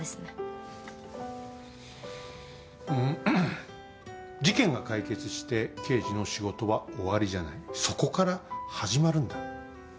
んんっ事件が解決して刑事の仕事は終わりじゃないそこから始まるんだ。